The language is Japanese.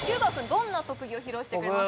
どんな特技を披露してくれますか？